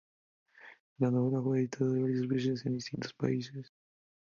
La novela fue editada varias veces, en distintos países.